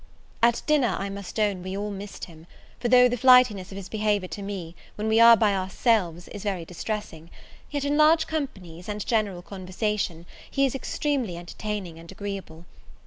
At dinner, I must own, we all missed him; for though the flightiness of his behaviour to me, when we are by ourselves is very distressing; yet, in large companies, and general conversation, he is extremely entertaining and agreeable.